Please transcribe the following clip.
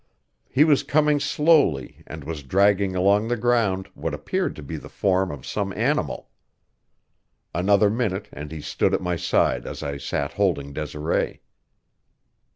He was coming slowly, and was dragging along the ground what appeared to be the form of some animal. Another minute and he stood at my side as I sat holding Desiree.